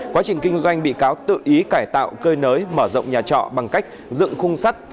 quá trình kinh doanh bị cáo tự ý cải tạo cơi nới mở rộng nhà trọ bằng cách dựng khung sắt